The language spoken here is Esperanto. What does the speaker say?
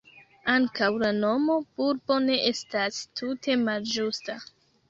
Ankaŭ la nomo bulbo ne estas tute malĝusta.